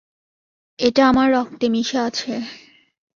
এটা আমার রক্তে মিশে আছে।